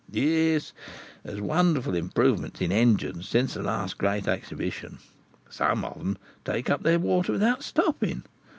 Yes; there's wonderful improvements in engines since the last great Exhibition. Some of them take up their water without stopping.